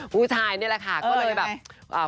ผู้ชายนี่แหละค่ะก็เลยแบบ